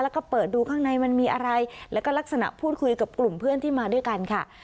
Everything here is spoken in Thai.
แล้วก็เปิดดูข้างในมันมีอะไรแล้วก็ลักษณะพูดคุยกับกลุ่มเพื่อนที่มาด้วยกันค่ะ